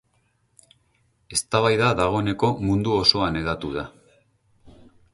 Eztabaida dagoeneko mundu osoan hedatu da.